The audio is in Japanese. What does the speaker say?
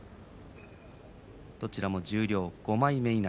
どちらも十両５枚目以内